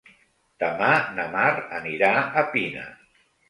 Demà na Mar anirà a Pina.